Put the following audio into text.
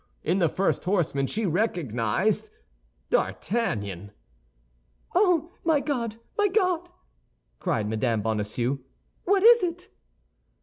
In the first horseman she recognized D'Artagnan. "Oh, my God, my God," cried Mme. Bonacieux, "what is it?"